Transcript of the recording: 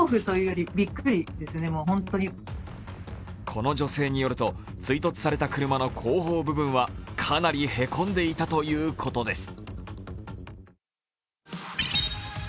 この女性によると、追突された車の後方部分はかなりへこんでいたということです。